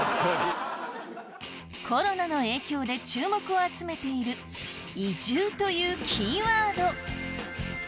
コロナの影響で注目を集めている移住というキーワード